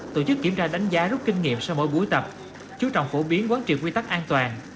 tổ chức kiểm tra đánh giá rút kinh nghiệm sau mỗi buổi tập chú trọng phổ biến quán triệt quy tắc an toàn